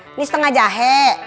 ini setengah jahe